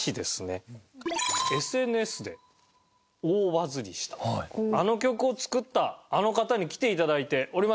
ＳＮＳで大バズりしたあの曲を作ったあの方に来ていただいております。